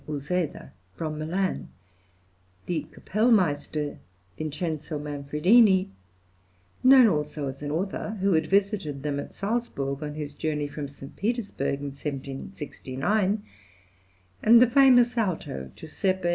Useda), from Milan, the kapellmeister, Vincenzo Manfredini, known also as an author, who had visited them at Salzburg, on his journey from St. Petersburg in 1769, and the famous alto, Gius. Aprile.